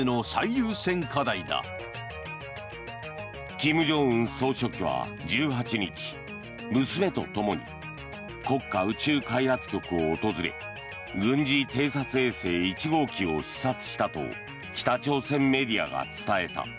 金正恩総書記は１８日娘と共に国家宇宙開発局を訪れ軍事偵察衛星１号機を視察したと北朝鮮メディアが伝えた。